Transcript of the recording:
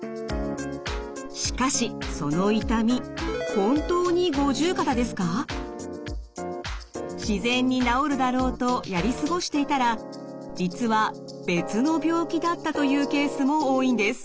しかしその痛み自然に治るだろうとやり過ごしていたら実は別の病気だったというケースも多いんです。